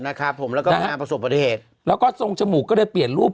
นะครับผมแล้วก็งานประสบปฏิเหตุแล้วก็ทรงจมูกก็เลยเปลี่ยนรูป